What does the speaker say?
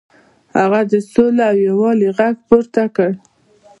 هغه د سولې او یووالي غږ پورته کړ.